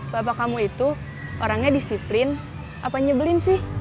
bapak kamu itu orangnya disiplin apa nyebelin sih